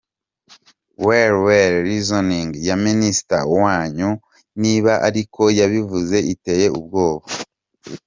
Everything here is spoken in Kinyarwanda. Well well, reasoning ya Minister wanyu , niba ariko yabivuze, iteye ubwoba!